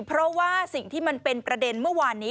เพราะว่าสิ่งที่มันเป็นประเด็นเมื่อวานนี้